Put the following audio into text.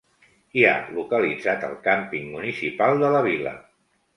Hi ha localitzat el càmping municipal de la vila.